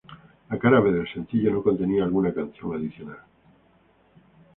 La cara B del sencillo no contenía alguna canción adicional.